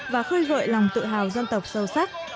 và khơi gợi lòng tự hào dân tộc sâu sắc